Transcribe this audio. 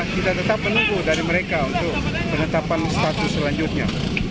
kita tetap menunggu dari mereka untuk penetapan status selanjutnya